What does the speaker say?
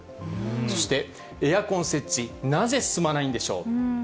そして、エアコン設置、なぜ進まないんでしょう。